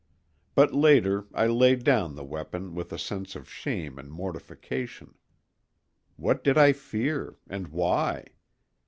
But later I laid down the weapon with a sense of shame and mortification. What did I fear, and why?